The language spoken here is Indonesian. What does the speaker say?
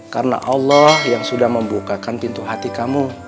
karena allah yang sudah membukakan pintu hati kamu